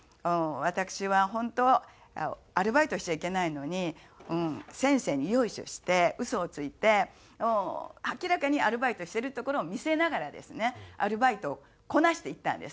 私は本当はアルバイトしちゃいけないのに先生によいしょしてウソをついて明らかにアルバイトしてるところを見せながらですねアルバイトをこなしていったんです。